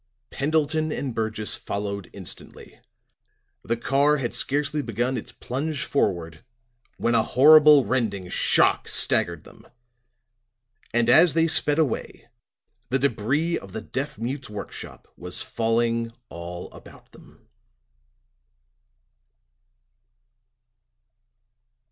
Pendleton and Burgess followed instantly. The car had scarcely begun its plunge forward when a horrible rending shock staggered them. And as they sped away the debris of the deaf mute's work shop was falling all about them.